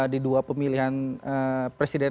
di dua pemilihan presiden